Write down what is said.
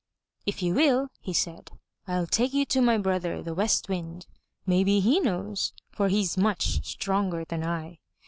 "If you will," he said, "I'll take you to my brother, the West Wind. Maybe he knows, for he's much stronger than I.